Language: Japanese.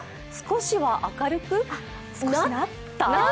少しは明るくなった？